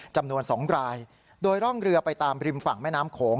จำนวน๒รายโดยร่องเรือไปตามริมฝั่งแม่น้ำโขง